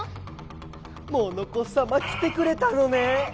モノコさま来てくれたのね！